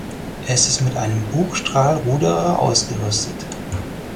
Es ist mit einem Bugstrahlruder ausgerüstet.